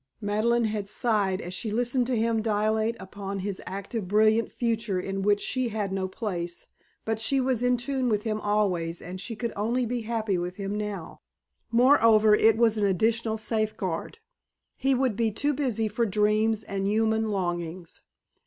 Madeleine had sighed as she listened to him dilate upon an active brilliant future in which she had no place, but she was in tune with him always and she could only be happy with him now. Moreover, it was an additional safeguard. He would be too busy for dreams and human longings.